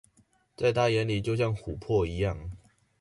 在他眼裡就像琥珀一樣